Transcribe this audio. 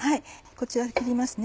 こちら切りますね。